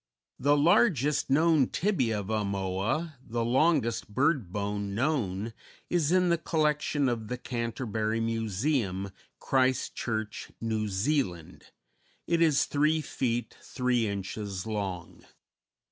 _ _The largest known tibia of a Moa, the longest bird bone known, is in the collection of the Canterbury Museum, Christchurch, New Zealand; it is 3 feet 3 inches long.